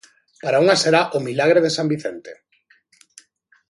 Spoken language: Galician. Para unhas será o milagre de San Vicente.